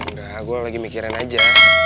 udah gue lagi mikirin aja